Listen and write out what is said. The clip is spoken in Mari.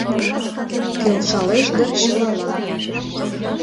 Келшалеш дыр чылалан: